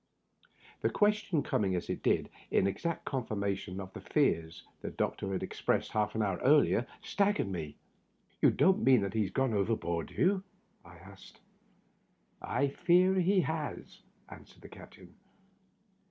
The question coming, as it did, in exact confirmation of the fears the doctor had expressed half an hour earlier, staggered me. "Tou don't mean to say he has gone overboard?" I asked. "I fear he has," answered the captain.